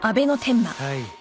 はい。